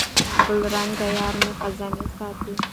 ګلرنګه یارمي خزانې ساتي